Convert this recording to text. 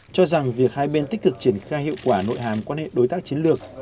cho rằng việc hai bên tích cực triển khai hiệu quả nội hàm quan hệ đối tác chiến lược